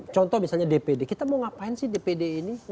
contoh misalnya dpd kita mau ngapain sih dpd ini